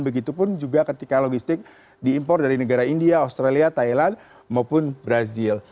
begitupun juga ketika logistik diimpor dari negara india australia thailand maupun brazil